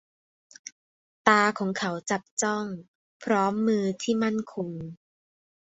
ตาของเขาจับจ้อง พร้อมมือที่มั่นคง